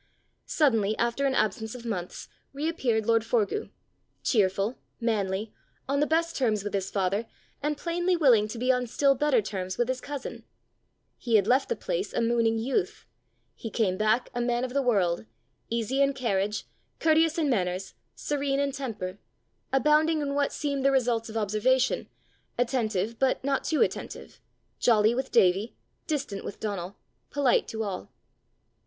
Suddenly, after an absence of months, reappeared lord Forgue cheerful, manly, on the best terms with his father, and plainly willing to be on still better terms with his cousin! He had left the place a mooning youth; he came back a man of the world easy in carriage, courteous in manners, serene in temper, abounding in what seemed the results of observation, attentive but not too attentive, jolly with Davie, distant with Donal, polite to all.